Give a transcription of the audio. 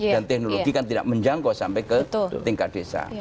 dan teknologi kan tidak menjangkau sampai ke tingkat desa